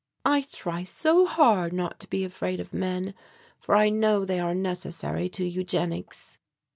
"I try so hard not to be afraid of men, for I know they are necessary to eugenics."